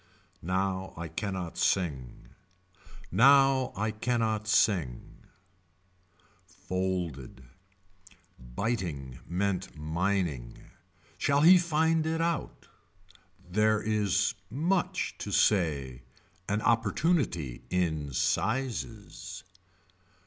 Now I cannot sing. Now I cannot sing. Folded. Biting meant mining. Shall he find it out. There is much to say. An opportunity in sizes.